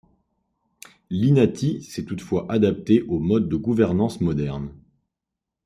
L'inati s'est toutefois adapté aux modes de gouvernance moderne.